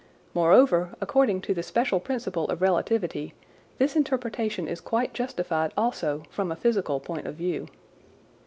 Moreover, according to the special principle of relativity, this interpretation is quite justified also from a physical point of view.